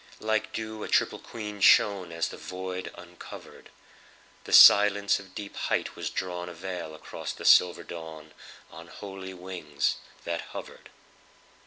Like dew a triple queenShone as the void uncovered:The silence of deep height was drawnA veil across the silver dawnOn holy wings that hovered.